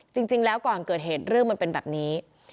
จริงแล้วก่อนเกิดเหตุเรื่องมันเป็นแบบนี้